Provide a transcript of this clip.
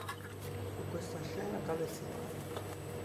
Su questa scena cala il sipario.